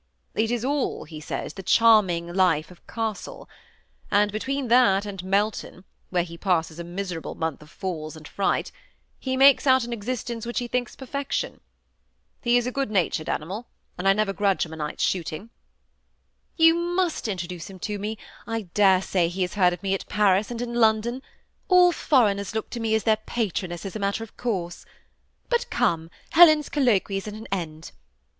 'It is all/ he says, ' the charming life of castle ;' and between that and Melton, where he passes a miserable month of falls and fright, he makes out an existence which he thinks perfection. He is a good natured animal, and I never gi udge him a fortnight's shooting.'' << You must introduce him to me ; I dare say he has heard of me at Paris, and in London : all foreigners look to me as their patroness, as a matter of course. But come, Helen's colloquy is at an end.